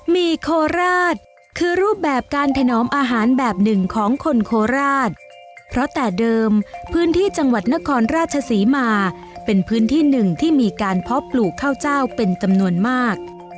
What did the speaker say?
มีโคราชคือรูปแบบการถนอมอาหารแบบหนึ่งของคนโคราชเพราะแต่เดิมพื้นที่จังหวัดนครราชศรีมาเป็นพื้นที่หนึ่งที่มีการเพาะปลูกข้าวเจ้าเป็นจำนวนมาก